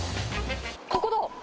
ここだ！